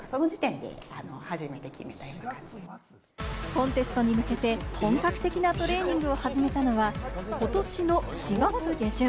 コンテストに向けて本格的なトレーニングを始めたのは、ことしの４月下旬。